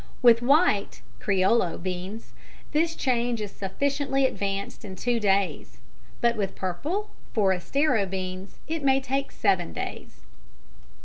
With white (criollo) beans this change is sufficiently advanced in two days, but with purple (forastero) beans it may take seven days.